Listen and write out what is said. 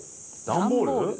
段ボール？